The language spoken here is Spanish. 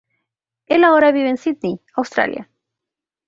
Él ahora vive en Sídney, Australia.